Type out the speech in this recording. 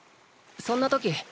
そんな時。